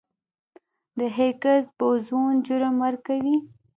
د هیګز بوزون جرم ورکوي.